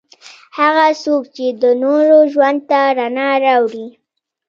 هغه څوک چې د نورو ژوند ته رڼا راوړي.